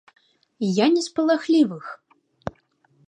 Я не з палахлівых.